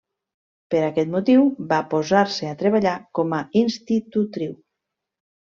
Per aquest motiu, va posar-se a treballar com a institutriu.